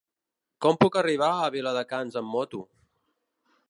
Com puc arribar a Viladecans amb moto?